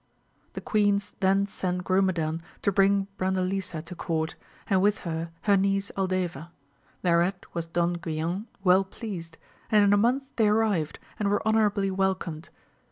The queen then sent Grumedan to bring Brandalisa to court, and with her, her niece Aldeva : thereat was Don Guilan well pleased, and in a month they arrived, and were honourably welcomed.